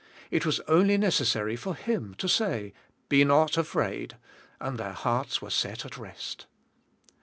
It was only necessary for Him to say, "Be not afraid," and their hearts were set at rest.